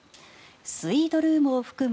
スイートルームを含む